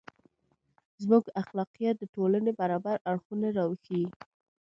• زموږ اخلاقیات د ټولنې برابر اړخونه راوښيي.